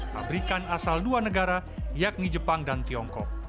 pabrikan asal dua negara yakni jepang dan tiongkok